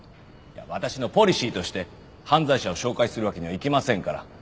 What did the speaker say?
いや私のポリシーとして犯罪者を紹介するわけにはいきませんから。